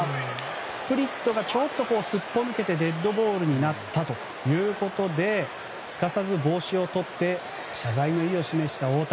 スプリットがすっぽ抜けてデッドボールになったということですかさず帽子をとって謝罪の意を示した大谷。